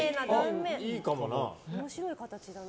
面白い形だな。